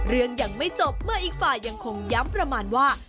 ยังไม่จบเมื่ออีกฝ่ายยังคงย้ำประมาณว่า